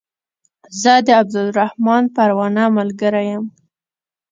زه د عبدالرحمن پروانه ملګری يم